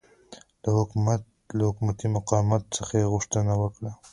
له حکومتي مقاماتو څخه یې غوښتنه وکړه